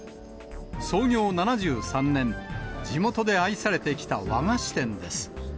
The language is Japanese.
創業７３年、地元で愛されてきた和菓子店です。